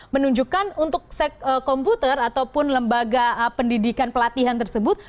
menunjukkan untuk komputer ataupun lembaga pendidikan pelatihan tersebut